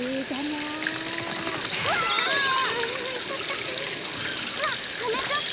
あっはなかっぱん！